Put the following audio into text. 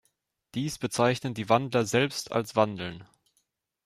Dies bezeichnen die Wandler selbst als Wandeln.